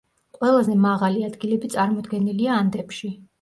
ყველაზე მაღალი ადგილები წარმოდგენილია ანდებში.